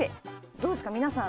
どうですか皆さん。